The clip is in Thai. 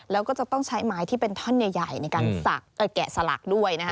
แล้วก็จะต้องใช้ไม้ที่เป็นท่อนใหญ่ในการแกะสลักด้วยนะคะ